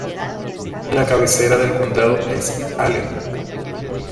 La cabecera del condado es Aledo.